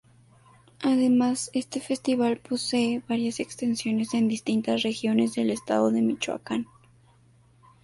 Además este festival posee varias extensiones en distintas regiones del estado de Michoacán.